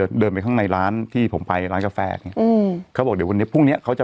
เดินไปข้างในร้านที่ผมไปร้านกาแฟเนี้ยอืมเขาบอกเดี๋ยววันนี้พรุ่งเนี้ยเขาจะ